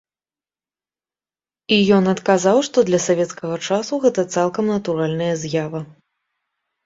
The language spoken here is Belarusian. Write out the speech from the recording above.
І ён адказаў, што для савецкага часу гэта цалкам натуральная з'ява.